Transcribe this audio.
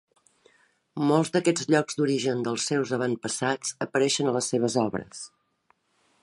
Molts d'aquests llocs d'origen dels seus avantpassats apareixen a les seves obres.